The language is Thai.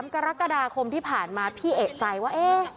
กรกฎาคมที่ผ่านมาพี่เอกใจว่า